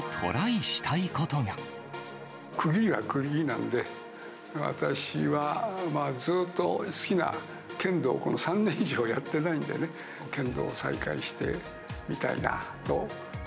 区切りは区切りなんで、私は、ずっと好きな剣道を、この３年以上やってないんでね、剣道を再開してみたいなと。